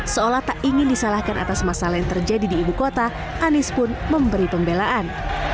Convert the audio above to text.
seolah tak ingin disalahkan atas masalah yang terjadi di ibu kota anies pun memberi pembelaan